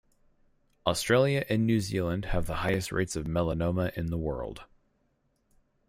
Australia and New Zealand have the highest rates of melanoma in the world.